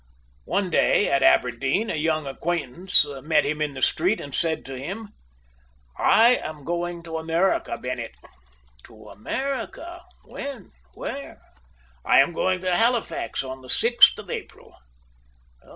One day, at Aberdeen, a young acquaintance met him in the street, and said to him: "I am going to America, Bennett." "To America! When? Where?" "I am going to Halifax on the 6th of April."